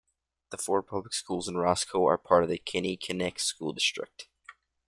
The four public schools in Roscoe are part of the Kinnikinnick School District.